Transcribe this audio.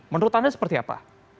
menurut anda seperti apa